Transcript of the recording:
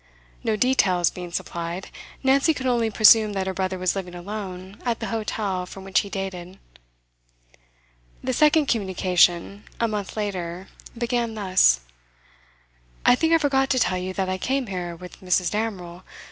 No details being supplied, Nancy could only presume that her brother was living alone at the hotel from which he dated. The second communication, a month later, began thus: 'I think I forgot to tell you that I came here with Mrs. Damerel.